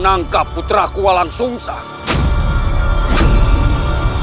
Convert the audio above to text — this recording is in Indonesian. jangan lupa putra kesayanganmu walang sungsu